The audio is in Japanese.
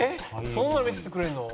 そんなの見せてくれるの？